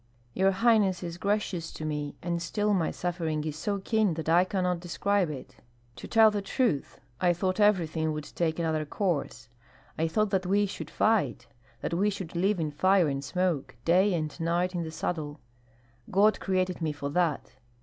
"Your highness is gracious to me, and still my suffering is so keen that I cannot describe it. To tell the truth, I thought everything would take another course, I thought that we should fight, that we should live in fire and smoke, day and night in the saddle. God created me for that.